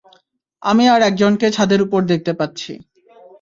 আমি আর একজনকে ছাদের উপর দেখতে পাচ্ছি।